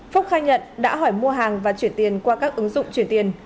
phúc khai nhận đã hỏi mua hàng và chuyển tiền qua các ứng dụng chuyển tiền